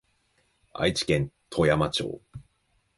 愛知県豊山町